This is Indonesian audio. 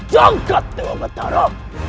jangkat dewa betara